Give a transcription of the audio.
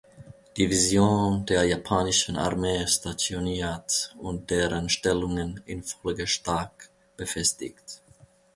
Division der japanischen Armee stationiert und deren Stellungen in Folge stark befestigt.